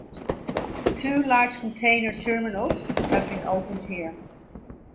Two large container terminals have been opened here.